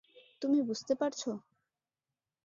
তুমি বুঝতে পারছো?